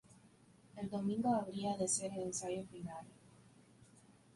El domingo habría de ser el ensayo final.